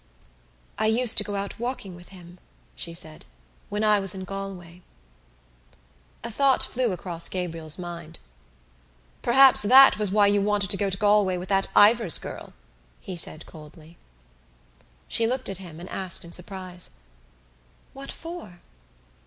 "I used to go out walking with him," she said, "when I was in Galway." A thought flew across Gabriel's mind. "Perhaps that was why you wanted to go to Galway with that Ivors girl?" he said coldly. She looked at him and asked in surprise: "What for?"